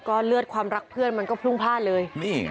ก็เลือดความรักเพื่อนมันก็พรุ่งพลาดเลยนี่ไง